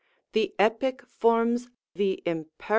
The Epic forms the Imper.